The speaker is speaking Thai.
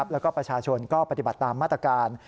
แล้วก็ประชาชนก็ปฏิบัติตามมาตรการ